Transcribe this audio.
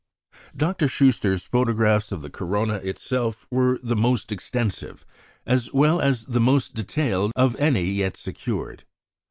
Dr. Schuster's photographs of the corona itself were the most extensive, as well as the most detailed, of any yet secured.